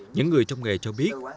những người trong nghề cho biết